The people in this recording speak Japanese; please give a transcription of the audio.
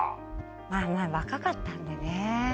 まぁまぁ若かったんでね。